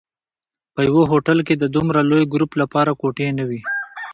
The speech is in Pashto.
په یوه هوټل کې د دومره لوی ګروپ لپاره کوټې نه وې.